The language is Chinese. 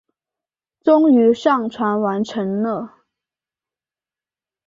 终于上传完成了